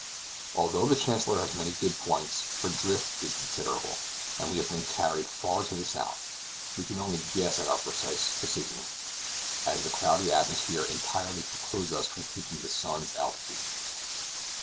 Although the Chancellor has many good points, her drift is considerable, and we have been carried far to the south; we can only guess at our precise position, as the cloudy atmosphere entirely precludes us from taking the sun's altitude.